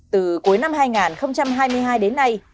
từ cuối năm hai nghìn hai mươi hai đến nay